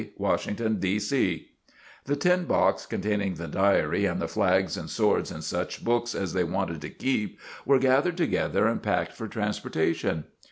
WASHINGTON, D.C." The tin box containing the diary, and the flags and swords and such books as they wished to keep, were gathered together and packed for transportation.